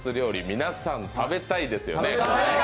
皆さん、食べたいですよね？